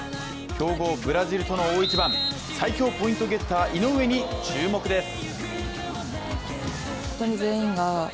強豪ブラジルとの大一番、最強ポイントゲッター・井上に注目です。